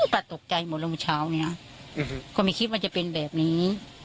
ป้าตกใจหมดแล้วเมื่อเช้านี้ก็ไม่คิดว่าจะเป็นแบบนี้